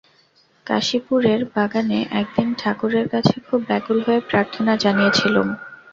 কাশীপুরের বাগানে একদিন ঠাকুরের কাছে খুব ব্যাকুল হয়ে প্রার্থনা জানিয়েছিলুম।